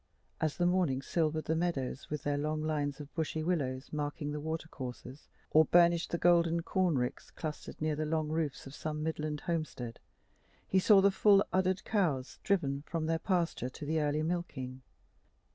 As the morning silvered the meadows with their long lines of bushy willows marking the water courses, or burnished the golden corn ricks clustered near the long roofs of some midland homestead, he saw the full uddered cows driven from their pasture to the early milking.